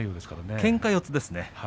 けんか四つですね。